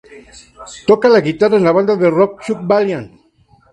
Toca la guitarra en la banda de rock "Chuck Valiant".